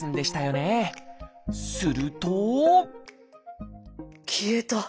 すると消えた！